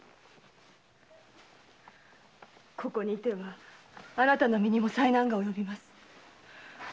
ここに居てはあなたの身にも災難が及びます。